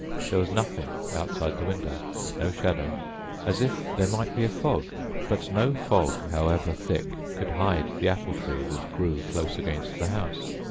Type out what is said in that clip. There was nothing outside the window. No shadows. As if there might be a fog. But no fog, however, thick, could hide the apple tree that grew close against the house.